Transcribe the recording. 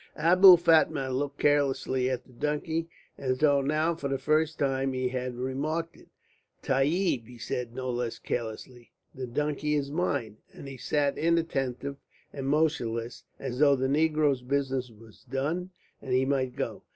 Abou Fatma looked carelessly at the donkey as though now for the first time he had remarked it. "Tayeeb," he said, no less carelessly. "The donkey is mine," and he sat inattentive and motionless, as though the negro's business were done and he might go.